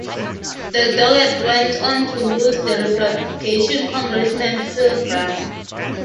Doggett went on to lose to Republican Congressman Phil Gramm.